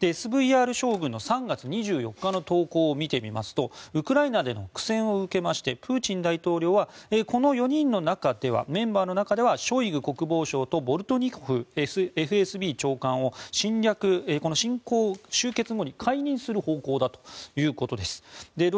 ＳＶＲ将軍の３月２４日の投稿を見てみますとウクライナでの苦戦を受けましてプーチン大統領はこの４人のメンバーの中ではショイグ国防相とボルトニコフＦＳＢ長官を侵攻終結後に解任する方向だということです。